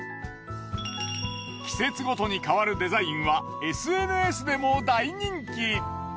季節ごとに変わるデザインはＳＮＳでも大人気。